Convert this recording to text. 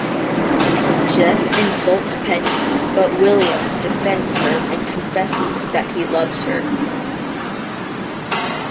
Jeff insults Penny, but William defends her and confesses that he loves her.